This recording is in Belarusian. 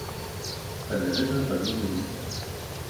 А для гэтага павінны выстаяць.